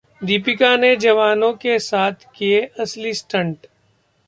दीपिका ने जवानों के साथ किए असली स्टंट!